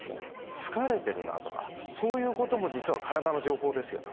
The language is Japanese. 疲れてるなとかそういうことも実は体の情報ですよね。